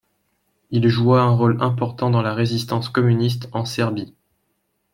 Il joua un rôle important dans la résistance communiste en Serbie.